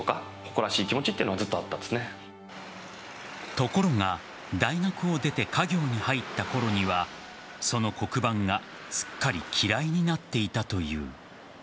ところが、大学を出て家業に入ったころにはその黒板がすっかり嫌いになっていたという。